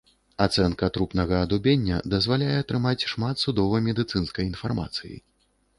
Ацэнка трупнага адубення дазваляе атрымаць шмат судова-медыцынскай інфармацыі.